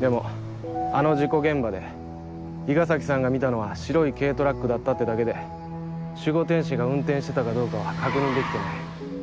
でもあの事故現場で伊賀崎さんが見たのは白い軽トラックだったってだけで守護天使が運転してたかどうかは確認できてない。